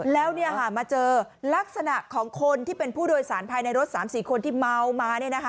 แล้วมาเจอลักษณะของคนที่เป็นผู้โดยสารภายในรถ๓๔คนที่เมามา